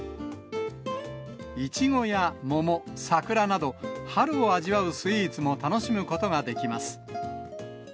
イチゴや桃、桜など、春を味わうスイーツも楽しむことができます。